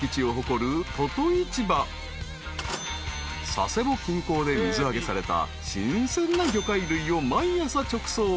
［佐世保近郊で水揚げされた新鮮な魚介類を毎朝直送］